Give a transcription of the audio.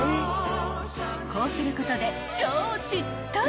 ［こうすることで超しっとり！］